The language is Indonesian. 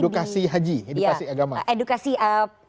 edukasi haji edukasi agama